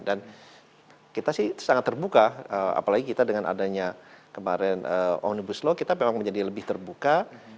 dan kita sih sangat terbuka apalagi kita dengan adanya kemarin omnibus law kita memang menjadi lebih terbuka